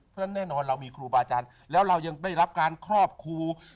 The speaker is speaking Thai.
เพราะฉะนั้นแน่นอนเรามีครูบาอาจารย์แล้วเรายังได้รับการครอบครู